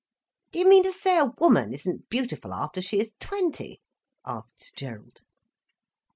"Do you mean to say a woman isn't beautiful after she is twenty?" asked Gerald.